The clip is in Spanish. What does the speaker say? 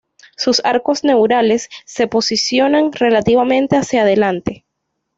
Sus arcos neurales se posicionan relativamente hacia adelante.